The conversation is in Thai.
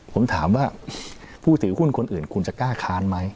ผมถามว่าผู้ถือหุ้นคนอื่นคุณจะกล้าค้านมั้ยถูกไหมครับ